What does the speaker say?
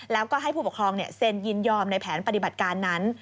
แล้วก็ให้ผู้ปกครองเซ็นยินยอมในแผนปฏิบัติการนั้น